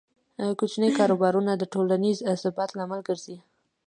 کوچني کاروبارونه د ټولنیز ثبات لامل ګرځي.